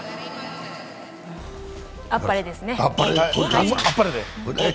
あっぱれですね。